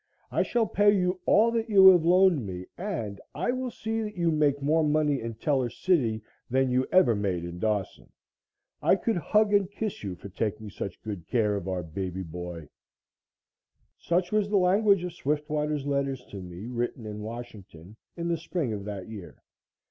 I shall pay you all that you have loaned me and I will see that you make more money in Teller City than you ever made in Dawson. I could hug and kiss you for taking such good care of our baby boy." Such was the language of Swiftwater's letters to me, written in Washington in the spring of that year.